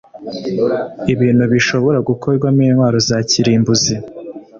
ibintu bishobora gukorwamo intwaro za kirimbuzi